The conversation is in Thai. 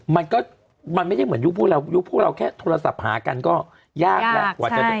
มันก็มันไม่ได้เหมือนยุคพวกเรายุคพวกเราแค่โทรศัพท์หากันก็ยากแล้ว